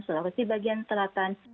sulawesi bagian selatan